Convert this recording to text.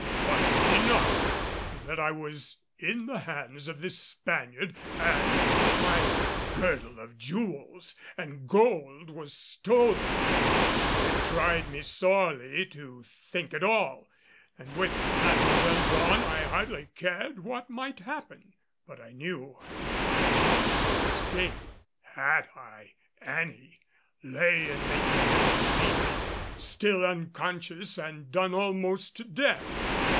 It was enough that I was in the hands of this Spaniard and that my girdle of jewels and gold was stolen. It tried me sorely to think at all, and with Mademoiselle gone I hardly cared what might happen. But I knew that my chance of escape, had I any, lay in making them believe me still unconscious and done almost to death.